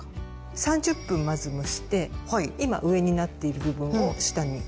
３０分まず蒸して今上になっている部分を下にして。